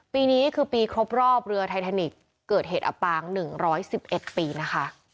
ปีนี้คือปีครบรอบเรือไททานิกเกิดเหตุอับปาง๑๑๑ปีนะคะ